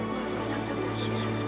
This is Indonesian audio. maafkan aku tasya